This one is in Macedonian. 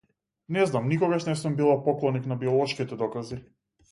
Не знам, никогаш не сум била поклоник на биолошките докази.